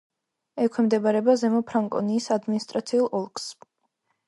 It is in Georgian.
ექვემდებარება ზემო ფრანკონიის ადმინისტრაციულ ოლქს.